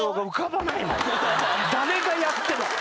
誰がやっても。